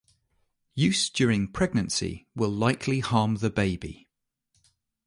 Use during pregnancy will likely harm the baby.